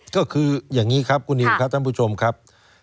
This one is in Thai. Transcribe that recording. ก็คืออย่างนี้ครับคุณนิวครับท่านผู้ชมครับ